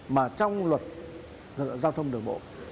mà trong luật giao thông đường bộ